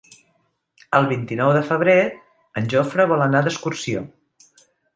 El vint-i-nou de febrer en Jofre vol anar d'excursió.